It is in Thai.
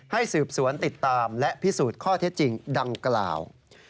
ให้สืบสวนติดตามและพิสูจน์ข้อเท็จจริงดังกล่าว